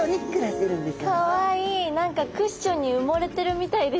何かクッションに埋もれてるみたいですね。